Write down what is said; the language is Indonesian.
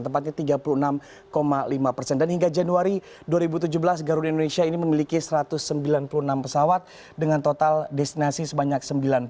tempatnya tiga puluh enam lima persen dan hingga januari dua ribu tujuh belas garuda indonesia ini memiliki satu ratus sembilan puluh enam pesawat dengan total destinasi sebanyak sembilan puluh